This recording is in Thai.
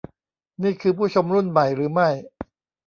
นี่คือผู้ชมรุ่นใหม่หรือไม่